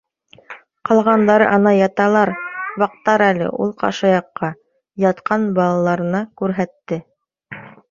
Ҡалғандары ана яталар, ваҡтар әле, — ул ҡашаяҡҡа, ятҡан балаларына, күрһәтте.